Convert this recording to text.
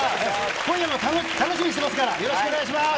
今夜も楽しみにしておりますから、よろしくお願いします。